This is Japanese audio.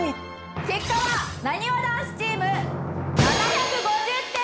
結果はなにわ男子チーム７５０点！